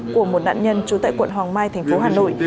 của một nạn nhân trú tại quận hoàng mai tp hà nội